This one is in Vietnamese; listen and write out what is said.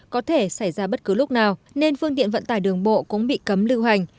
có thể xảy ra bất cứ lúc nào nên phương tiện vận tải đường bộ cũng bị cấm lưu hành